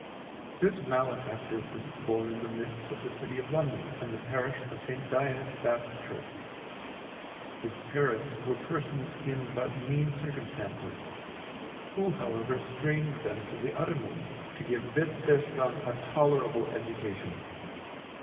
This malefactor was born in the midst of the City of London, in the Parish of St. Dionis Back Church. His parents were persons in but mean circumstances, who however strained them to the uttermost to give this their son a tolerable education.